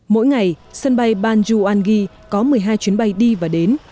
mỗi ngày sân bay bandung wangi có một mươi hai chuyến bay đi và đến